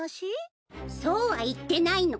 そうは言ってないの。